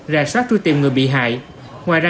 ra sát truy tìm người bị hại ngoài ra